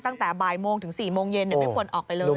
ตั้งแต่บ่ายโมงถึง๔โมงเย็นไม่ควรออกไปเลย